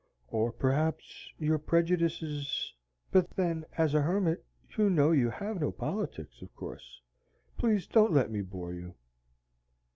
"Or, perhaps, your prejudices But then, as a hermit you know you have no politics, of course. Please don't let me bore you."